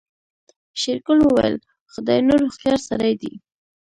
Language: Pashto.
شېرګل وويل خداينور هوښيار سړی دی.